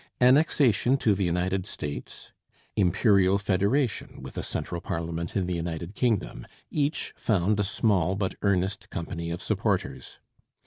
Annexation to the United States, Imperial Federation, with a central parliament in the United Kingdom, each found a small but earnest company of supporters.